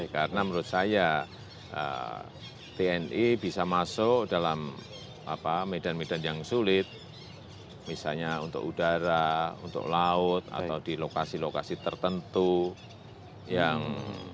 karena menurut saya tni bisa masuk dalam medan medan yang sulit misalnya untuk udara untuk laut atau di lokasi lokasi tertentu yang